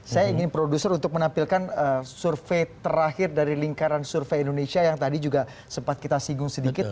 saya ingin produser untuk menampilkan survei terakhir dari lingkaran survei indonesia yang tadi juga sempat kita singgung sedikit